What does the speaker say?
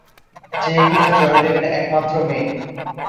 যে কিনা জয়দেবের একমাত্র মেয়ে।